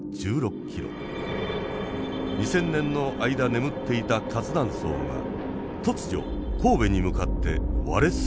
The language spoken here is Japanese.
２，０００年の間眠っていた活断層が突如神戸に向かって割れ進んだのです。